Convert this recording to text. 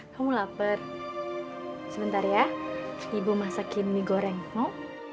kamu lapar sebentar ya ibu masakin mie goreng mau